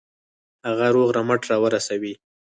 هغه روغ رمټ را ورسوي.